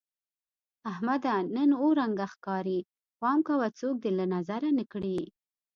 احمده! نن اووه رنگه ښکارې. پام کوه څوک دې له نظره نه کړي.